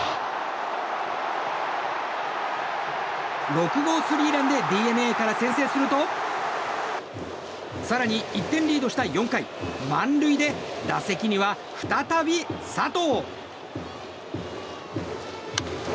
６号スリーランでＤｅＮＡから先制すると更に１点リードした４回満塁で打席には再び佐藤。